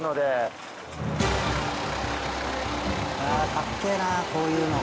かっけえなこういうの。